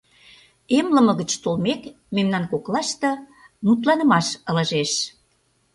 Эмлыме гыч толмек, мемнан коклаште мутланымаш ылыжеш.